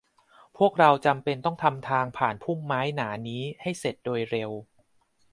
พวกเราจำเป็นต้องทำทางผ่านพุ่มไม้หนานี้ให้เสร็จโดยเร็ว